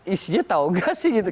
isinya tau gak sih gitu